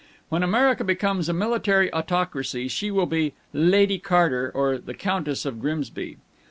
When America becomes a military autocracy she will be Lady Carter or the Countess of Grimsby.